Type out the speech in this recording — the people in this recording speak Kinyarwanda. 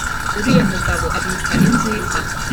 Uriya mugabo abika inzika